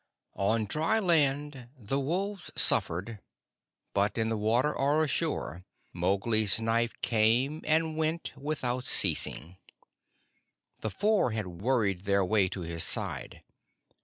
On dry land the wolves suffered; but in the water or ashore, Mowgli's knife came and went without ceasing. The Four had worried their way to his side.